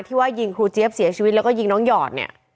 ว่ายิงครูเจี๊ยบเสียชีวิตแล้วก็ยิงน้องหยอดเนี่ย